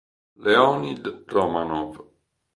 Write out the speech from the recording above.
Leonid Romanov